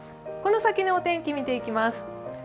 この先のお天気、見ていきます。